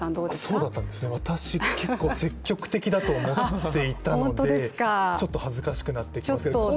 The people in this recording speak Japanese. そうだったんですね、私結構積極的だと思っていたので、ちょっと恥ずかしくなってきました